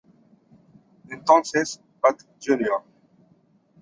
Entonces, Pat Jr.